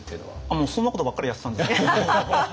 もうそんなことばっかりやってたんですけども。